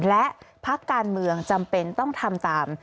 และพักการเมืองจำเป็นต้องทำตาม